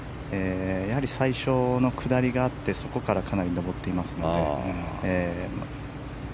やはり最初の下りがあってそこからかなり上ってますので。